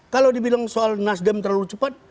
kalau dibilang soal nasdem terlalu cepat